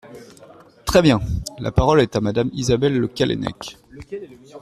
Très bien ! La parole est à Madame Isabelle Le Callennec.